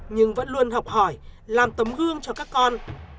nhưng vẫn luôn học hỏi làm tấm gương cho các con